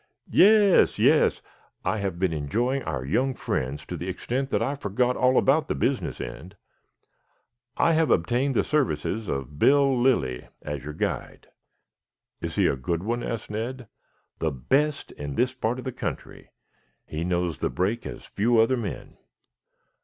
"Yes, yes. I have been enjoying our young friends to the extent that I forgot all about the business end. I have obtained the services of Bill Lilly as your guide." "Is he a good one?" asked Ned. "The best in this part of the country. He knows the brake as do few other men.